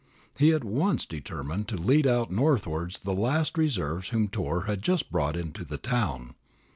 He at once determined to lead out northwards the last reserves whom Turr had just brought into the town.